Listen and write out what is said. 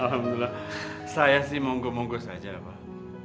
alhamdulillah saya sih monggo monggo saja pak